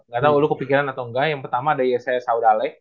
gak tau lu kepikiran atau enggak yang pertama ada ys saurale